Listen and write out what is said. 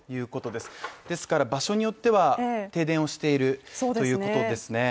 ですから、場所によっては停電をしているということですね。